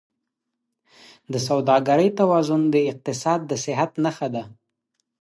د سوداګرۍ توازن د اقتصاد د صحت نښه ده.